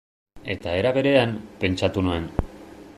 Eta era berean, pentsatu nuen.